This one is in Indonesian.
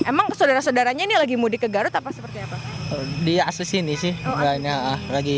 emang saudara saudaranya ini lagi mudik ke garut apa seperti apa di asus ini sih lagi